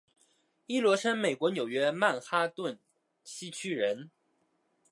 伊罗生美国纽约曼哈顿西区人。